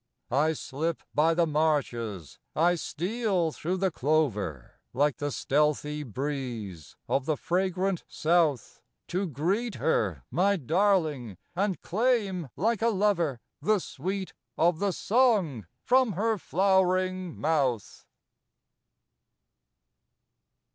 I slip by the marshes, I steal through the clover, Like the stealthy breeze of the fragrant South, To greet her, my darling, and claim, like a lover, The sweet of the song from her flower ing mouth.